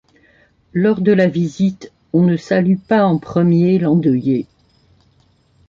Lors de la visite, on ne salue pas en premier l'endeuillé.